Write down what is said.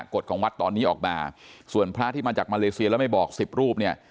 กฎของวัดตอนนี้ออกมาส่วนพระที่มาจากมาเลเซียแล้วไม่บอกสิบรูปเนี่ย